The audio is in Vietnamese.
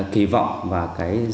kì vọng và dự kiến